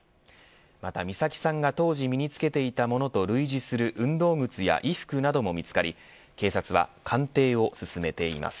また美咲さんが当時身に着けていたものと類似する運動靴や衣服なども見つかり警察は鑑定を進めています。